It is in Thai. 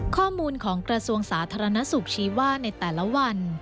ข้อมูลของกระทรวงสาธารณสุขชี้ว่าในแต่ละวัน